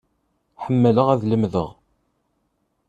Ḥemmleɣ ad lemdeɣ.